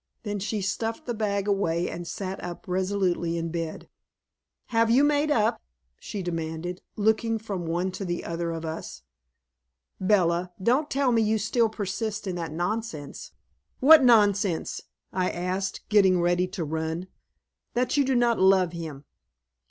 Then she stuffed the bag away and sat up resolutely in bed. "Have you made up?" she demanded, looking from one to the other of us. "Bella, don't tell me you still persist in that nonsense." "What nonsense?" I asked, getting ready to run. "That you do not love him."